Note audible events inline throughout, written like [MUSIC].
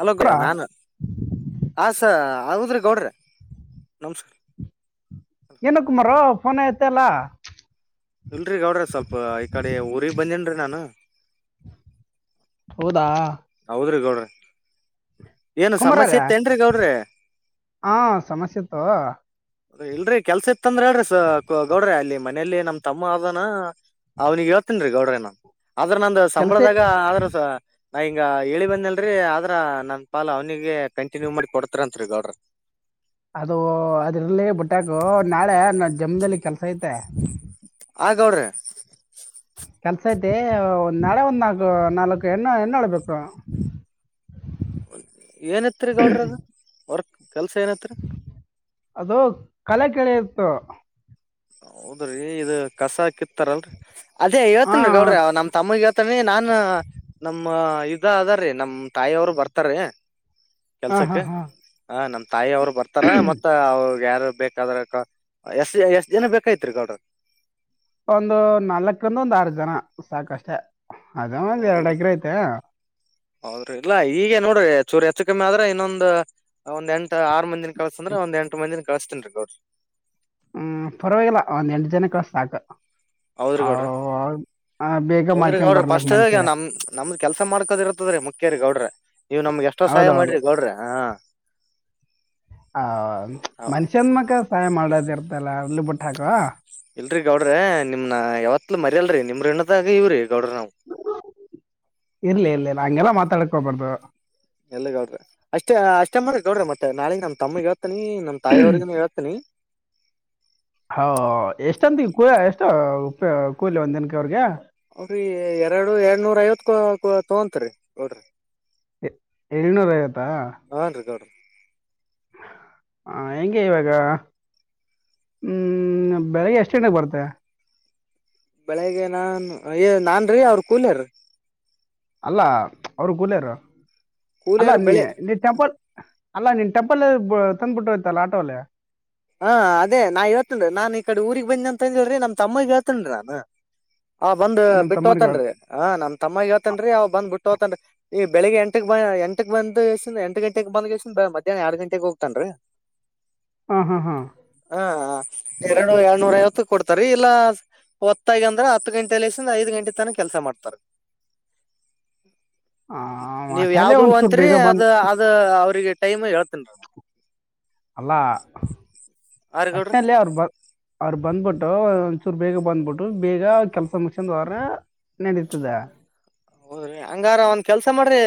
Hello ಗಯ ಕುಮಾರ ನಾನು ಹ, ಸ ಹದ್ರು ಗೌಡ್ರೀ ನಮಸ್ಕಾರ, ಏನ ಕುಮಾರೋ. [UNINTELLIGIBLE] ಫೋನೆ ಎತ್ತಲ್ಲ ಇಲ್ರಿ ಗೌಡ್ರೆ ಸ್ವಲ್ಪ ಈ ಕಡೆ ಊರಿಗ್ ಬಂದೇನ್ರೀ ನಾನು ಹೌದಾ ಹೌದ್ರಿ ಗೌಡ್ರೆ ಏನು ಸಮಸ್ಯೆ ಕುಂಬಾರಾರೆ ಇತ್ತೇನ್ರಿ ಹಾ ಸಮಸ್ಯೆ ಇತ್ತು. ಅದೇ ಇಲ್ರಿ ಕೆಲ್ಸ ಇತ್ತಂದ್ರೆ ಹೇಳ್ರಿ ಗೌಡ್ರೆ ಅಲ್ಲಿ ಮನೇಲಿ ನಮ್ ತಮ್ಮ ಅದನ ಅವ್ರಿಗ್ ಹೇಳ್ತಿನ್ರಿ ಗೌಡ್ರೇ ನಾನ್ ಆದ್ರ ನಂದು ಕೆಲಸ ಸಂಬಳದಾಗ ಆದ್ರು ಸಾ ನಾ ಹಿಂಗ ಹೇಳಿ ಬಂದ್ನಲ್ರಿ ಆದ್ರ ನನ್ ಪಾಲ ಅವ್ನಿಗೆ ಕಂಟಿನ್ಯೂ ಮಾಡ್ ಕೊಡ್ತರಂತ್ರಿ ಗೌಡ್ರ ಅದು ಅದಿರ್ಲಿ ಬಿಟ್ಟಾಕು ನಾಳೆ ನನ್ ಜಮೀನ್ದಲ್ಲಿ ಕೆಲ್ಸ ಐತೆ ಹಾ ಗೌಡ್ರೆ. ಕೆಲ್ಸ ಐತೆ ಒಂದ್ ನಾಳೆ ನಾಲ್ಕು ನಾಲ್ಕು ಹೆಣ್ಣು ಹೆಣ್ಣಾಳು ಬೇಕು ಏನಂತ್ರಿ ಗೌಡ್ರೆ ಅದು ವರ್ಕ್ ಕೆಲ್ಸ ಏನಿತ್ರಿ ಅದು ಕಲೆ ಕೆಳಿಯೋದ್ [UNINTELLIGIBLE] ಹೌದ್ರಿ ಇದ್ ಕಸ ಹಾಕಿತ್ ಇರ್ತಾರಲ್ರಿ ಅದೇ ಹಾ ಹೇಳ್ತಿನಿ ಗೌಡ್ರೆ ನಮ್ ತಮ್ಮಂಗ್ ಹೇಳ್ತಿನಿ ನಾನು ನಮ್ಮ ಇದ ಅದಾರೀ ನಮ್ ತಾಯಿಯವರು ಬರ್ತಾರೆ ಹಾ ಹಾ ಕೆಲ್ಸಕ್ಕೆ ಹಾ ಹಾ ನಮ್ ತಾಯಿಯವ್ರು ಬರ್ತಾರ ಮತ್ತ ಅವ್ರ್ ಬ್ಯಾರೇದ್ ಬೇಕಾದ್ರೆ ಅಕ್ಕ [UNINTELLIGIBLE] ಜನ ಬೇಕಾಗಿತ್ರಿ ಗೌಡ್ರ ಒಂದು ನಾಲ್ಕರಿಂದ ಒಂದಾರ್ ಜನ ಸಾಕಷ್ಟೆ ಅದು ಒಂದ್ ಹೌದು ಎರ್ಡ್ ಎಕ್ರೆ ಐತೆ ಹೌದ್ರಿ ಇಲ್ಲಾ ಈಗೆ ನೋಡ್ರಿ ಚೂರು ಹೆಚ್ಚು ಕಮ್ಮಿ ಆದ್ರೆ ಇನ್ನೊಂದ್ ಒಂದ್ ಎಂಟ ಆರು ಮಂದಿನ್ ಕಳ್ಸಂದ್ರ ಒಂದ್ ಎಂಟು ಮಂದಿನ್ ಕಳಸ್ತೀನಿ ಗೌಡ್ರೆ. ಹ್ಮ್ ಪರವಾಗಿಲ್ಲ ಒಂದ್ ಎಂಟು ಜನ ಕಳ್ಸ್ ಸಾಕ ಹೌದ್ರಿ ಗೌಡ್ರೆ ಆ, ಬೇಗ ಹೌದ್ರಿ ಮಾಡ್ಕೊಂಡ್ ಗೌಡ್ರೆ ಬರ್ಲಕ್ ಮನೆ ಫಸ್ಟಿಗ್ ಕಡೆ ನಮ್ ನಮ್ದ್ ಕೆಲ್ಸ ಮಾಡ್ಕೋದ್ ಇರ್ತದ್ರೀ ಮುಖ್ಯರಿ ಗೌಡ್ರೆ ನೀವ್ ನಮಗ್ ಎಷ್ಟೋ ಸಹಾಯ ಹೌದೌದು ಮಾಡಿರಿ ಗೌಡ್ರೆ ಹಾ ಹಾ ಹೌ- ಮನ್ಶನ್ ಮಕ ಸಹಾಯ ಮಾಡದಿರ್ [UNINTELLIGIBLE] ಇಲ್ರಿ ಗೌಡ್ರೆ ನಿಮ್ನ ಯಾವತ್ಲು ಮರಿಯಲ್ರಿ ನಿಮ್ ಋಣದಾಗೆ ಇವ್ರಿ ಗೌಡ್ರ ನಾವು ಇರ್ಲಿ ಇರ್ಲಿ ನಾ ಹಂಗೆಲ್ಲ ಮಾತ್ ಕಾಲಿಕ್ಕೊಬಾರ್ದು ಎಲ್ಲಿ ಗೌಡ್ರೆ ಅಷ್ಟೇ ಅಷ್ಟೇ ಮಂದಿ ಗೌಡ್ರೆ ಮತ್ತೆ ನಾಳಿಗ್ ನಮ್ ತಮ್ಮಿಗ್ ಹೇಳ್ತಿನ್ [UNINTELLIGIBLE] ನಮ್ ತಾಯಿಯವ್ರಿಗುನೂ ಹೇಳ್ತನಿ ಹೌ ಎಷ್ಟಂತೀಗ್ [UNINTELLIGIBLE] ಕೂಲಿ ಒಂದಿನಕ್ಕ ಅವ್ರಿಗೆ ಅಭಿ ಎರಡು ಏಳ್ನೂರ್ ಐವತ್ ತಗೋಂತಾರ್ ರೀ ಗೌಡ್ರೆ ಏಳ್ನೂರ ಐವತ್ತು ಹಾನ್ ರೀ ಗೌಡ್ರ ಹ ಹೆಗೆ ಇವಾಗ ಹ್ಮ ಬೆಳಿಗ್ಗೆ ಎಷ್ಟ ಗಂಟೆಗೆ ಬರುತ್ತೆ ಬೆಳಿಗ್ ನಾನ್ ಏ ನಾನರೀ ಅವ್ರ ಕೂಲಿಯರೀ ಅಲ್ಲ ಅವರು ಕೂಲಿಯವರು ಅಲ್ಲ ಕೂಲಿಯರ್ ನೀ ಬೆಳೆ ನೀ ಟೆಂಪಲ್ ಅಲ್ಲಾ ನೀನ್ ಟೆಂಪಲ್ ತಂದ್ಬಿಟ್ಟೋಯ್ತಲ್ಲ ಆಟೋಲೆ ಹಾ ಅದೇ ನಾ ಹೇಳ್ತೇನಿ ನಾನ್ ಈ ಕಡೆ ಊರಿಗೆ ಬಂದಿ ಅಂತ ಅಂದ ಹೇಳ್ರಿ ನಮ್ ತಮ್ಮಗ್ ಹೇಳ್ತೇನ್ ನಾನು ಆ ಬಂದ್ ನಿಮ್ ಬಿಟ್ಟು ತಮ್ಮರಿಗೆ ಹೋತನ್ರಿ ಆ ನಮ ತಮ್ಮಗ ಹೇಳ್ತಾನೆರೀ ಅವ್ ಬಂದ್ ಬಿಟ್ಟ ತಕೊಂತಾನ್ರಿ ಈ ಬೆಳಿಗ್ ಎಂಟಕ್ ಎಂಟಕ್ ಬಂದ ಎ ಎಂಟ ಗಂಟೆಗೆಗ್ ಬಂದ ಎಷ್ಟನ್ ಮಧ್ಯಾಹ್ನ ಎರಡು ಗಂಟೆಗೆಗ್ ಹೋಗ್ತನೆರಿ ಹಾಂ ಹಾಂ ಹಾಂ ಹಾ ಹಾ ಎರಡು ಎರಡ್ನೂರ ಐವತ್ತು ಕೊಡ್ತಾರ ಇಲ್ಲಾ ಹೊತ್ತಾಗಿ ಅಂದ್ರ ಹತ್ತು ಗಂಟೆಲಿ ಐದ್ ಗಂಟೆ ತನ ಕೆಲ್ಸ ಮಾಡ್ತಾರ. ನೀವ ಒಟ್ಟಿನಲ್ಲಿ ಯಾವ್ದ ಒಂಚೂರು ಅಂತ್ರಿ ಬೇಗ ಅದ ಅದ ಅವ್ರಿಗೆ. ಟೈಮ್ ಹೇಳ. ಅಲ್ಲಾ. ಆರ್ ಗೌಡ್ರ ವಾಟ್ನಾಲ್ ಅವ್ರು ಬಂದ ಅವ್ರು ಬಂದ್ಬಿಟ್ಟು. ಒಂಚೂರು ಬೇಗ ಬಂದ್ಬಿಟ್ಟು ಬೇಗ ಕೆಲ್ಸ ಮಗ್ಸ್ಕಂಡ್ ಹೋದ್ರೆ ನೆಡೀತದ್ದೇ. ಹೌದ್ರಿ ಹಂಗಾರ ಒಂದ್ ಕೆಲ್ಸ ಮಾಡ್ರಿ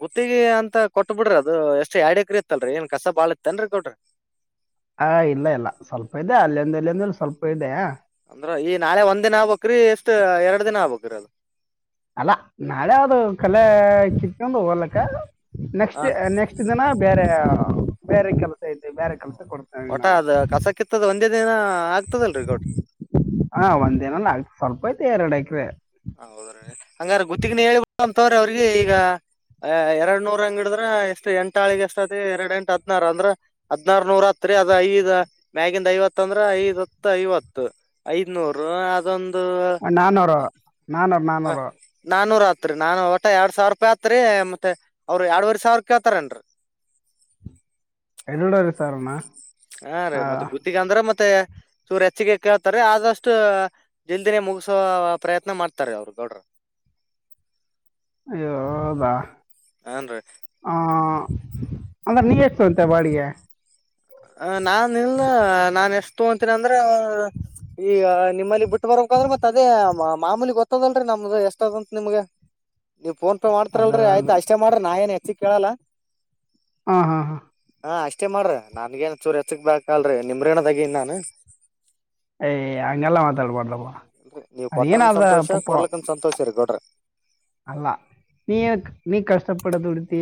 ಗುತ್ತಿಗೆ ಅಂತ ಕೊಟ್ಟ ಬಿಡ್ರಿ ಅದು ಎಷ್ಟ್ ಎಡಕ್ರಿ ಇತ್ತಲ್ರರಿ ಏನ್ ಕಸ ಬಾಳ ಇತ್ತ ಅನ್ರಿ ಗೌಡ್ರೆ ಹಾ ಇಲ್ಲ ಇಲ್ಲ ಸ್ವಲ್ಪ ಇದೆ ಅಲ್ಲಿಂದ ಎಲ್ಲಿಂದಲ್ಲಿ ಸ್ವಲ್ಪ ಇದೆ. ಅಂದ್ರ ಈ ನಾಳೆ ಒಂದ್ ದಿನ ಆಗ್ಬೇಕ್ರಿ ಎಷ್ಟ ಎರಡ್ ದಿನ ಆಗ್ಬೇಕ್ರಿ ಅದು ಅಲ್ಲಾ ನಾಳೆ ಅದು ಕಳೆ ಕಿತ್ಕೊಂಡ್ ಹೋಗಲಕ್ಕ. ನೆಕ್ಸ್ಟ್ ಹಾನ್ರಿ ನೆಕ್ಸ್ಟ್ ದಿನ ಬೇರೆ. ಬೇರೆ ಕೆಲಸ ಇದೆ ಬೇರೆ ಕಡೆ. ಒಟ ಅದ ಕಸಕ್ಕಿತ್ತದ ಒಂದೇ. ಒಂದು ದಿನ ಆಗ್ತದಲ್ರಿ ಗೌಡ್ರ ಹಾ ಒಂದ್ ದಿನಲ್ಲ ಆಗ್ತ ಸ್ವಲ್ಪ ಏತಿ ಎರಡ ಎಕರೆ ಎಕರೆ ಹೌದ್ರೀ ಹಂಗಾರ ಗುತ್ತಿಗೆನೇ ಹೇಳಿ ಅಂತವ್ರ ಅವ್ರಿಗೆ ಈಗ ಎರಡ್ ನೂರ ಅಂಗಡಿದ್ರ ಎಷ್ಟ್ ಎಂಟಾಳಿಗೆ ಎಷ್ಟತಿ ಎರಡ್ ಎಂಟ ಹದ್ನಾರ ಅಂದ್ರ ಹದ್ನಾರ ನೂರ ಹತ್ರಿ ಅದ್ ಐದ್ ಮ್ಯಾಗಿಂದ ಐವತ್ತ ಅಂದ್ರ ಐದ್ ಹತ್ ಐವತ್ತು ಐದ್ನೂರ್ ಅದೊಂದ. ನಾನ್ನೂರು ನಾನ್ನೂರು ಹ ನನ್ನೂರು ನಾನೂರ ಆತ್ರಿ ನಾನು ಒಟ ಎರಡ್ ಸಾವಿರ ರೂಪಾಯಿ ಆತ್ರಿ ಮತ್ತೆ ಅವ್ರ ಎರಡ್ವವರೆ ಸಾವಿರ ರೂಪಾಯಿ ಆತಾರನ್ರಿ. ಎರಡೂವರೆ ಸಾವಿರನ ಹಾ ರಿ ಮತ್ತೆ ಗುತ್ತಿಗೆ ಅಂದ್ರೆ ಮತ್ತೆ. ಚೂರು ಹೆಚ್ಚಿಗೆ ಕೇಳ್ತಾರೆ ಆದಷ್ಟು ಜಲ್ದಿನೇ ಮುಗಸೋ ಪ್ರಯತ್ನ ಮಾಡ್ತಾರೆ ಅವರು ಗೌಡ್ರೆ ಅಯ್ಯೋ ಹೌದ ಹಾ ರೀ ಅಂದ್ರೆ ನೀವ ಎಷ್ಟು ತಕೊಂತೀಯ ಬಾಡಿಗೆ. ಹ ನಾನ್ ನಿಲ್ ನಾನ್ ಎಷ್ಟು ತಕೊಂತೀನಿ ಅಂದ್ರೆ ಈ ನಿಮ್ಮಲ್ಲಿ ಬಿಟ್ಟ ಬರ್ಬೇಕ ಅಂದ್ರೆ ಮತ್ತ್ ಅದೇ ಮಾಮೂಲಿ ಗೊತ್ತದಲ್ರರಿ ನಮ್ದ ಎಷ್ಟದಂತ ನಿಮ್ಗೆ ನೀವ್ ಫೋನ್. ಅದು ಮಾಡ್ತಾರಲ್ರಿ ಆಯ್ತ ಅದು ಅಷ್ಟೇ ಮಾಡ್ರ ನಾಯನೆ. ಕೇಳಲ್ಲ. ಹಾ ಹಾ ಹಾ. ಹಾ ಅಷ್ಟೇ ಮಾಡ್ರ. ನನ್ಗೇನ್ ಚೂರು ಎಚ್ಚಕ್ ಬಲ್ರರಿ ನಿಮ್ರೇನದಾಗ ನಾನು. ಏ್ ಅಂಗ ಎಲ್ಲ ಮಾತಾಡ ಪಡಲಪ್ಪ. ಲ್ರಿ ನೀವ ಕೊಟ್ರನ್ ಸಂತೋಷ ಕೊಡ್ಲಕ್ಕನ್ ಸಂತೋಷ ರೀ ಗೋಡ್ರಿ. ಅಲ್ಲ ನೀ ನೀ ಕಷ್ಟ. ಪಿಡ ದುಡತಿ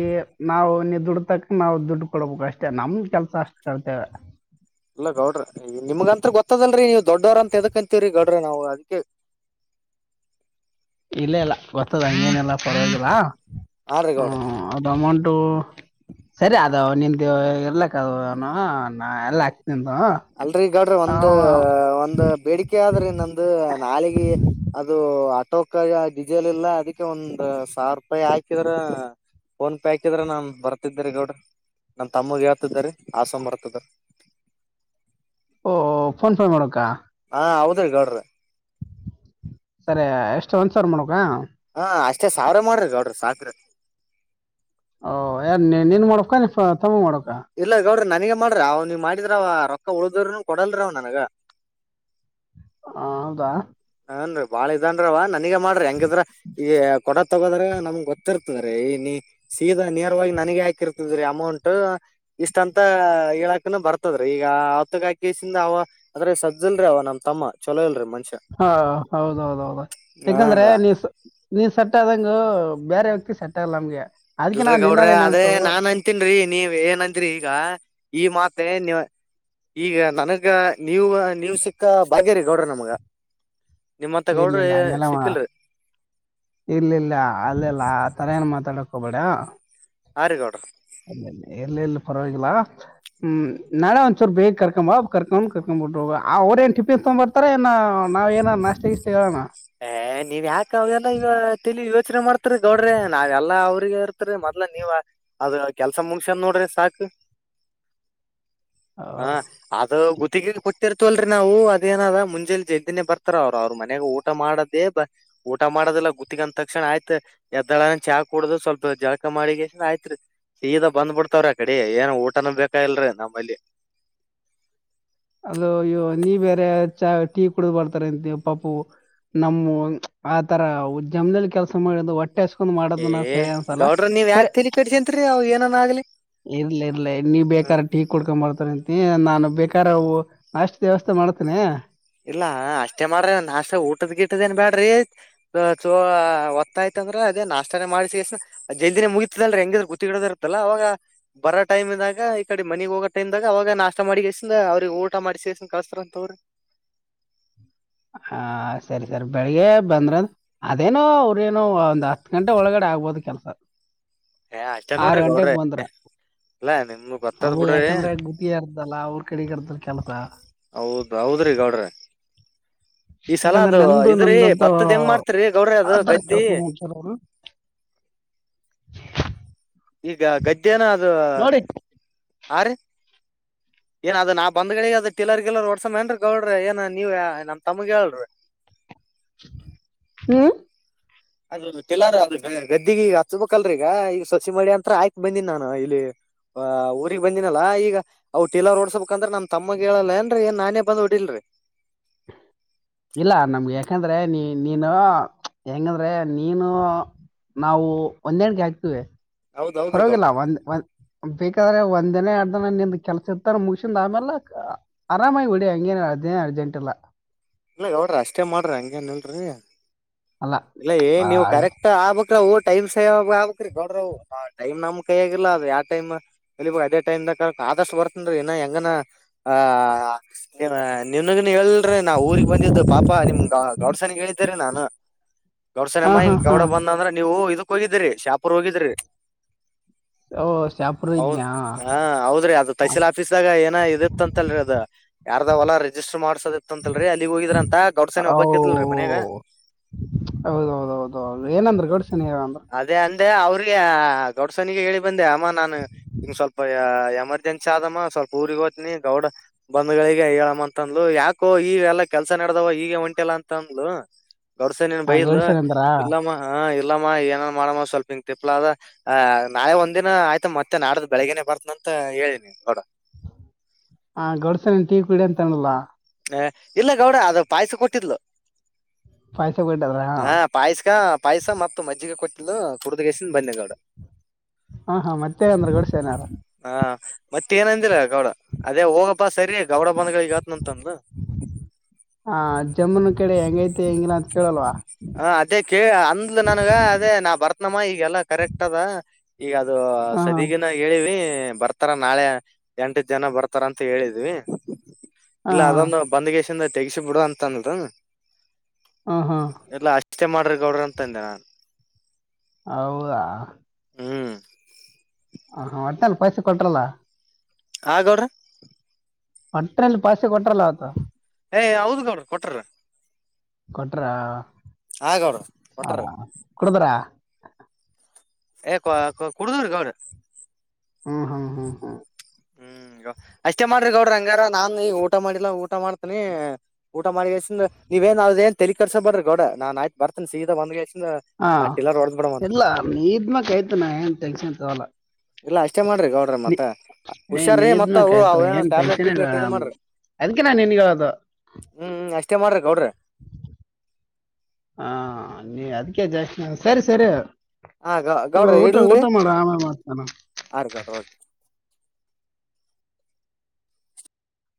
ನಾವು ನೀ ದುಡತಕ ನಾವು ದುಡ್ಡು ಕೊಡ್ಬೇಕಕ್ ಅಷ್ಟೆ ನಮ್ ಕೆಲ್ಸ ಅಷ್ಟ ಕಲ್ತೇವೆ ಲ್ಲೌಡ್ರ ನಿಮ್ಗ ಅತ್ ಗೊತ್ತದಲ್ರರಿ ನೀವು ದೊಡ್ಡರ ಅಂತದಕಂತೀರಿ ಗ ನಾವು ಅದಕ್ಕೆ ಇಲ್ಲ ಇಲ್ಲ ಗೊತ್ತದ ಹಂಗೇನೆಲ್ಲಾ ಪರದ್ರಾ ಹಾ ರೀ ಗೌಡ್ರ ಹ್ಮ ಅದು ಅಮೌಂಟು ಸರಿ ಅದ ನಿನ್ ಎಲ್ಲ ಅಣ ಹ ಎಲ್ಲ ನಿಂದು ಅಲ್ರೀ ಈಗಾಡ್ರಿ ಆ, ಒಂದ ಒಂದ ಬೇಡಿಕೆ ಆದ್ರಿ ನಂದು ನಾಲಿಗೆ ಅದು ಟೋಕಾಗ ಡಿಸೇಲ್ ಇಲ್ಲ ಅದಕ್ಕೆ ಒಂದ್ ಸಾವಿರ ರೂಪಾಯಿ ಹಾಕಿದ್ರ ಫೋನ್ ಪೇ ಹಾಕಿದ್ರ ನಾನ್ ಬರ್ತಿದ್ದರಿ ಗೌಡ್ರ ನನ್ ತಮ್ಮಗೆ ಹೇಳ್ತಿದರಿ ಆಸಮ ಬರ್ತಿದಾರ ಓ ೋನ್ಫ ಮಾಡರಕ್ಕಾ ಹಾ ಹೌದ್ರ ಗೌಡ್ರ ಸರಿ ಎಷ್ಟು ಒಂದ್ಸರ್ ಮಾಡಕ ಹಾ ಅಷ್ಟೇ ಸಾವಿರ ಮಾಡ್ರಿ ಗೌಡ್ರಿ ಸಾಕ್ರ ಓ ಯಾರ ನೀನ್ ಮಾಡಕ ತಮ ಮಾಡ ಇಲ್ಲ ಗೌಡ್ರ ನನಗ ಮಾಡ್ರಿ ಅವ ನೀ ಮಾಡಿದ್ರ ಅವ ರೊಕ್ಕ ಉಳ್ದ್ರನು ಕೊಡಲ್ರ ಅವ್ ನನಗ ಹ ಹೌದಾ ಹನ್ರಿ ಬಾಳ ಇದನ್ರೀ ಅವ ನನಗ ಮಾಡ್ರಿ ಹೆಂಗಿದ್ರ ಈಗ ಕೊಡ ತಗೋದ್ರ ನಮ ಗೊತ್ತಿರ್ತದೀ ನೀ ಸೀದಾ ನಿಯರ್ವಾಗಿ ನನಗ ಹಾಕಿರ್ತದ್ರೀ ಅಮೌಂಟ್ ಇಷ್ಟ ಅಂತ ಹೇಳಕನು ಬರ್ತದ್ರೀ ಈಗ ಆತ್ತಗಾಕಸಿಂದ ಅವ ಅದ್ರ ಸದ್ದಲ್ರೀ ಅವ ನಮ್ ತಮ್ಮ ಚೊಲೋ ಇಲ್ರರಿ ಮನುಷ್ಯ ಹಾ ಹೌದೌದೌದು ಯಾಕಂದ್ರೆ ಹನ್ರ ನೀ್ ನೀವ್ ಸಟ್ಟದಂಗ ಬೇರೆ ವ್ಯಕ್ತಿ ಸೆಟ್ ಆಗಲ್ಲ ನಮ್ಗೆ. ಅದಕ್ಕೆ ಇಲ್ರರಿ ನಾವ್ ನಿನ್ನ ಗೌಡ್ರಿ ಏನ್ ಅದೇ ಅನ್ಸೋದು ನಾನ್ ಅಂತೀನ್ರಿ ನೀವ್ ಏನ್ ಅಂತರಿ ಈಗ. ಈ ಮಾತೆ ನೀ ಈಗ ನನಗ ನೀವು ನೀವ್ ಸಿಕ್ಕ ಭಾಗ್ಯರಿ ಗೌಡ್ರ ನಮಗ. ನಿಮ್ಮಂತ ಗೌಡ್ರ ಇರ್ಲಿಲ್ಲ ಹಂಗೆಲ್ಲ ಸಿಕ್ಕಿಲ್ರಿ ಇರ್ಲಿಲ್ಲ ಅಲ್ಲಲ್ಲ ಆ ತರ ಏನ್ ಮಾತಾಡಕ್. ಕಬಡ. ಆರುಗೋಡ. ಅಲ್ಲ ಎಲ್ಲ ಎಲ್ಲಿ ಪರವಾಗಿಲ್ಲ ಹ್ಮ್ ನಾಳೆ ಒಂದ್ಚೂರು ಬೇಗ ಕರ್ಕೊಂಬ ಕರ್ಕೊಂಡ್ ಕರ್ಕೊ್ಬಿಟ್ರು ಅವ್ರೇಏನ್ ಟಿಫಿನ್ ತಗೊ್ ಬರ್ತಾರ ಏನ ನಾವ್ ಏನ ನಾಷ್ಟಗ ಇಷ್ಟ ನೀವ ಯಾಕ ಅವಲ್ಲ ಈವ ತಿಳ ಇವತ್ತು. ಯಚನೆ ಮಾಡ್ತರಿ ಗೌಡ್ರಿ ನಾವ ಎಲ್ಲಾ ಅವ್ರಿಗೆ ಇರ್ತರಿ ಮೊದ್ ನೀವ್ ಅದ ಕೆಲ್ಸ ಮುಂಗಸ್ಯನ್ ನೋಡ್ರಿ ಸಾಕು ಆ, ಹಾ ಅದು ಗ ತೆಗಿ ಕೊಟ್ಟಿರ್ತವಲ್ರರಿ ನಾವು ಅದೇನದ ಮುಂಜೆ ಜದ್ದಿನೇ ಬರ್ತಾರ ಅವರು ಅವ್ರ ಮನ. ಊಟ ಮಾಡದೇ ಬ ಊಟ ಮಾಡೋದಿಲ್ಲ ಗುತ್ತಗಂದ ತಕ್ಷಣ ಆಯ್ತ್ ಎದ್ದಳ ಚಾ ಕುೂಡುದ ಸ್ವಲ್ಪ ಜಳಕ ಮಾಡಗ ಆಯ್ತ್ ಸೀದ ಬಂದ್ಬಿಡ್ತಾವ್ರ ಆ ಕಡೆ ಏನ ಊಟನ ಬೇಕಾಗಿಲ್ರಿೀ ನಮ್ಮಲ್ಲಿ. ಅಲ್ಲ ಅಯ್ಯೋ ನೀ ಬೇರೆ ಚ ಟೀ ಕುಡಿದ್ ಬರ್ತಾರ ಅಂತ ಪಪು ನಮ್ಮ ಆತರ ಜಮ್ನಲಿ ಕೆಲಸ ಮಾಡಿ ಒಟ್ಟೆ ಕಸ್ಕೊಂಡ್ ಮಾಡದನ ಏ ಸರಿ ಅನ್ಸಲ್ಲ ಗೌಡ್ರ ನೀವ್ ಸರಿ ಯಾಕೆ ತಲಿ ಕೆಡ್ಸ್ಯಂತ್ರಿ ಅವ್ ಏನನ ಆಗ್ಲಿ ಇರ್ಲ ಇರ್ಲ ನೀ ಹ್ಮ್ ಬೇಕಾರ ಟೀ ಕುಡ್ಕೊಂಡಂಬತಾರ ಹ ನಾನು ಬೇಕ ಕವು ನಾಷ್ಟು ದ್ಯವಸ್ಥೆ ಮಾಡ್ತೇನ ಇಲ್ಲಾ ಅಷ್ಟೇ ಮಾಡ್ರ ನಾಷ್ಟ ಊಟದ್ ಗಿಟ್ಟದೇಏನ್ ಬ್ಯಾಡ್ರಿ ಚ ಒತ್ತ ಆಯ್ತಂದ್ರ ಅದೇ ನಾಷ್ಟಾನೇ ಮಾಡ್ಸ ಎಷ್ಟ್ಣ ಜಲ್ದಿನೇ ಮುಗತದ ಅಲ್ರಿ ಹೆಂಗಿದ್ರ ಗುತ್ತಿ ಗಿಡದ ಇರ್ತಲ್ಲ ಅವಾಗ ಬರೋ ಟೈಮ್್ದಾಗ ಈ ಕಡೆ ಮನಗ್ ಹೋಗೋ ಟೈಮ್ದಾಗ ಅವಾಗ ನಾಷ್ಟ ಮಾಡಿ ಎಷ್ಟ ಅವ್ರಿಗೆ ಊಟ ಮಾಡಸ ಎಷ್ಟನ್ ಕಳಸ್ತಾರಂತವ್ರಿ ಹ ಸರಿ ಸರಿ ಬೆಳಿಗ್ಗೆ ಬಂದ್ರ ಅದೇನುೋ ಅವ್ರೇನು ಒಂದ್ ಹತ್ ಗಂಟೆ ಒಳಗಡೆ ಆಗ್ಬೋದು ಕೆಲ್ಸ ಏ ಆ ಚ ಆರ್ ನೋಡ್ರಿ ಗಂಟೆಗ್ ಗೌಡ್ರಿ ಬಂದ್ರ ಅಲ್ಲಾ ನಿಮ ಗೊತ್ತದ್ ಅವು ಬಿಡ್ರಿ ಯಾಕಂದ್ರೆ ಗುತ್ತಿಗೆ ಇರ್ತಲ್ಲ ಅವ್ರ ಕಡೆಗೆ ಇರ್ತದ ಕೆಲ್ಸ ಹೌದ ಹೌದ್ರಿ ಗೌಡ್ರಿ ಯಾಕಂದ್ರೆ ನಂದು ಇದ್ರಿ ನ್ದಂತ ಭತ್ತದ್ ಹೆಂಗ್ ಮಾಡ್ತರಿ ಗೌಡ್ರಿ ಅದು ಆಧರ ಗದ್ದಿ ಕೆಲಸ ಮಾಡತಾರ ಅವರು ಈಗ ಗದ್ದೆನ ಅದು. ನೋಡಿ ಆ ರೀ ಏನ್ ಅದ ನಾ ಬಂದ್ಗಡೆ ಅದ ಟಲರ್ ಗಿಲ್ಲರ್ ಓಡ್ಸ ಮ ಅನ್ಗ ಅವ್ರಿ ಏನ್ ನೀವ ನಮ ತಮಗ ಹೇಳ್ರಿ. ಹ್ಮ. ಅದಟಲರ್ ಗದ್ದಿಗ ಈಗ ಹಚ್ಬೇಕಲ್ರೀ ಈಗ ಈಗ ಸಸಿ ಮಾಡಿ ಅಂತತ್ರ ಆಯಕಕ್ ಬಂದಿನಿ ನಾನು ಇಲ್ಲಿ ಊರಿಗ್ ಬಂದಿನಲ್ಲಾ ಈಗ ಅವವು ಟಲರ್ ಓಡ್ಸ್ಬೇಕಂದ್ರ ನಮ್ ತಮ್ಮಗ ಹೇಳಲ್ಲಏನ್ರೀ ಏನ್ ನಾನೇ ಬಂದ್ ಟ ಇಲ್ರಿ. ಇಲ್ಲ ನಮ್ಗೆ ಯಾಕಂದ್ರೆ ನೀ ನೀನು ಹೆಂಗಂದ್ರೆ ನೀನು ನಾವು ಒಂದೆಣಗೆ ಹಾಕ್ತಿೀವಿ. ಹೌದ್ ಹೌದ್ರಿ ಹೊರವಾಗಿಿಲ್ಲ ಗೌಡ್ರಿ ಒಂದ್ಂದ ಬೇಕಾದ್ರೆ ಒಂದನೇ. ನನ್ನ ಕೆಲಸ ಇತ್ತ ಮುಗಸಿಂದ ಆಮೇಲೆ ಆರಾಮಾಗಿ ಬಿಡಿ ಹಂಗೇನ್ ಅದೇ ಅರ್ಜೆಂಟ್ ಇಲ್ಲ. ಇಲ್ಲ ಯೋಡ್ರಿ ಅಷ್ಟೇ ಮಾಡ್ರಿ ಹಂಗಗೆಏನ್ ಇಲ್ರರಿ. ಅಲ್ಲ ಇಲ್ಲ ಏನ್ ಆ, ನೀವು ಕರೆಕ್ಟ್ ಆಗ್ಬಕ್. ಟೈಮ್ ಸೇವ್ ಆ್ರೀ ಗೌಡ್ರ ಟೈಮ್ ನಮ್ ಕೈ ಆಗಿಲ್ಲಲ್ಲ ಅ ಯಾವ ಟೈಮ್ ಅದೇ ಟೈಮ್ ಆದಷ್ಟು ಬರ್ತನ್ೀ ಇ ಹೆಂಗ. ನನಗ ಹೇಳ್ರರಿ ನಾ ಊರಿಗೆಗ್ ಬಂದಿದ್ದು ಪಾಪಾ ನಿಮ್ ಗೌಡ್ಸನಗ್ ಹೇಳಿದೇ ನಾ. ಹ. ಗೌಡ್ ಹಾ ಸನಮ್ಮ ಹಿ ಹಾ ಹಾ ಗೌಡ ಬಂದ್ರೆ ನೀವು ಇದು. ಹೋಗಿದ್ರಿ ಶಾಪುರ್ ಹೋಗಿದ್ರಿ. ಓ ಶಾಪುರ ಹದ ಇದ್ನ್ಯಾ ಹಾ ಹೌದ್ರಿ ಅದ ತಹಸೀಲ್ ಆಫೀಸ್ದಾಗ ಏನ ಇದಿತ್ತ ಅಂತಲ್ರಿ ಅದ ಯಾರದ ಹೊಲ ರಿಜಿಸ್ಟರ್ ಮಾಡ್ಸೋದಿತ್ತ ಅಂತಲ್ರಿ ಅಲ್ಲಿಗ್ ಹೋಗಿದ್ರ ಅಂತ ಗೌಡ್ಸಾನೆ ಒಬ್ಬಕ್ತ್ಲ್ರರಿ ಮನ್ಯಾಗ. ಹೌದೌದೌದೌದು ಏನಂದ್ರ ಗೋಡ್ಸಿನ ಅಂದ್ರ. ಅದೇ ಅಂದೆ ಅವ್ರಿಗೆ ಗೌಡ್ಸನಿಗೆ ಹೇಳಿ ಬಂದೆ ಅಮ್ಮ ನಾನನ್ ಹಂಗ ಸ್ವಲ್ಪ ಎಮರ್ಜೆನ್ಸಿ ಆದಮ್ಮ ಸ್ವಲ್ಪ ಊರಿಗೆಗ್ ಹೋ್ನಿ ಗೌಡ ಬಂಧಗಳಿಗೆ ಹೇಳಮ್ಮ ಅಂತ ಅಂದ್ಲು ಯಾಕೋ ಈ ಎಲ್ಲಾ ಕೆಲ್ಸ ನಡೆದವ ಈಗ ಹೊಂಟಿಲ್ಲ ಅಂತಂದ್ಲು ಗೌಡ್ಸನಿ. ಹಾ ಬೈಲ ಗಡ್ಸನ್ ಅಂದ್ರ ಇಲ್ಲಾಮ ಹ. ಇಲ್ಲಮ್ಮ ಏನನ್ ಮಾಡಮ್ಮ ಸ್ವಲ್ಪ ಹಿಂಗ ತಿಪ್ಪಲ ಅ ಅ ನಾಳೆ ಒಂದ ದಿನ ಆಯ್ತಾ ಮತ್ತೆ ನಾಡ್ದ ಬೆಳಗ್ಗೇನೆ ಬರ್ತನ ಅಂತ ಹೇಳಿನಿ ನೋಡ. ಹ ಗಡ್ಸನ ಟೀ ಕುಡ ಅಂತಲ್ಲ. ಇಲ್ಲ ಗೌಡ ಅದು ಪಾಯಸ ಕೊಟ್ಟಿದ್ಲು. ಫ. ಹಾ ಪಾಯಸ್ಕ ಪಾಯ್ಸ ಮತ್ತ ಮಜ್ಜಿಗೆಗ ಕೊಟ್ಟ. ಇ ಕುಡುದಗೇಶನ್ ಬನ್ನಯಗೌಡ. ಹಾ ಹಾ ಮತ್ತೆ ಅಂದ್ರಗೋಡ ಸನಾರ. ಮತ್ತ ಏನಂದಿಲ್ಲ ಗೌಡ ಅದೇ ಹೋಗಪ್ಪಾ ಸರಿಯ ಗೌಡ ಬಧಗಗತ್ನಂತ ಅನ್ಲ ಹಾ ಜಮ್ಮುನ್ ಕಡೆ ಹೆಂಗೈಐತೆ ಹೆಂಗಿನಾ ಅಂತ ಕೇಳಲ್ವ ಹ ಅದೇ ಕ ಅಂದ್ ನನ್ಗ ಅದೇ ನಾ ಬರ್ತನಮ್ಮ ಈಗೆಲ್ಲಾ ಕರೆಕ್ಟ್ ಅದ ಈಗ ಅದು ಹಾ ಸದಗಿನ ಹೇಳಿವ ಬರ್ತಾರ ನಾಳೆ ಎಂಟದ ಜನ ಬರ್ತಾರ ಅಂತ ಹೇಳಿದ್ವಿ ಹಾ ಇಲ್ಲ ಅದೊಂದು ಹಾ ಬಂದಗೇಶಿಂದ ತೆಗಸ ಬಿಡ ಅಂತ ಅನ್ದ ಹ ಹಾ ಎಲ್ಲಾ ಅಷ್ಟೇ ಮಾಡ್ರ ಗೌಡ್ರ ಅಂತಂದೆ ನಾನ್ ಹೌದಾ ಹ್ಮ ಹ ಹಾ ಅ್ಾನ ಪೈಸೆ ಕೊಟ್ರಲ್ಲಾ ಆಗೌಡ್ರ ಅಟ್ರಲ್ಲಿ ಪಸೆ ಕೊಟ್ರಲ್ಲ ಅತ ಏ ಹೌದ್ ಗೌಡ್ರ ಕೊಟ್ರ ಕೊಟ್ರ ಆ ಗೌಡ್ರ ಹಾ ಕೊಟ್ರ ಕುಡ್ದ್ರ ಏ ಕುಡುದ್ರಿ ಗೌಡ್ರ ಹ್ಮ್ ಹ್ಮ್ ಹ್ಮ್ ಹ್ಮ್ ಹ್ಮ್ ಅಷ್ಟೇ ಮಾಡ್ರಿ ಗೌಡ್ರಿ ಅಂಗಾರ ನಾನ್ ಈಗ ಊಟ ಮಾಡಿಲ್ಲಾ ಊಟ ಮಾಡ್ತೇನಿ ಊಟ ಮಾಡಿ ಅಷ್ಟ ನೀವ ಏನ್ ಅದ ಏನ್ ತಲಿ ಕರ್ಸೋ ಬಡ್ರಿ ಗೌಡ್ರ ನಾನ್ ಆಯ್ತ ಬರ್ತನಿ ಸೀದಾ ಬಂದ ಎಷ್ಟ ಹಾ ಇಲ್ಲ ನೀ್ಮಕ್ಯ್ತು ನ ಏನ್ ತೆನ್ಸನ್ ತವಲ್ಲ ಹುಷಾರೀ ಮತ್ತವು ಅವ ಏನ ಟ್ಯಾಬ್ಲೆಟ್ ಇಲ್ಲ ಟಿಬ್ಲೆಟ್ ಇ ನಮ್ಗೆ ಮಾಡ್ರಿ ಅದಕ್ಕೆ ನಾನು ನಿನ್ಗೆ ಹೇಳೋದು ಹ್ಮ್ ಅಷ್ಟೇ ಮಾಡ್ರಿ ಕೊೌಡ್ರಿ ಹಾ ನೀ ಅದಕ್ಕೆ ಜಾಕ್ಷ ಸರಿ ಸರಿ ಹಾ ಹಓ ಗೌಡ್ರ ಊಟ ಊಟ ಇಡ್ಲ್ರಿ ಮಾಡ ಆಮೇ ಮಾಡ್ತಾನ ಆರಿ ಗೌಡ್ರ